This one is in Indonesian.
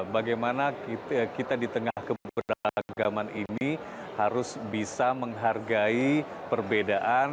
bagaimana kita di tengah keberagaman ini harus bisa menghargai perbedaan